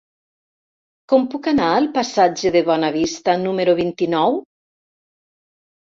Com puc anar al passatge de Bonavista número vint-i-nou?